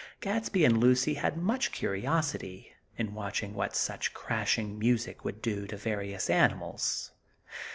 Gadsby and Lucy had much curiosity in watching what such crashing music would do to various animals.